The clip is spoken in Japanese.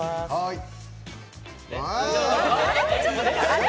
あれ？